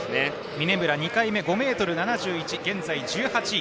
嶺村２回目、５ｍ７１現在１８位。